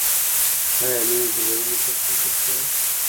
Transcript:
آیا نوم یې په زرینو کرښو لیکل سوی؟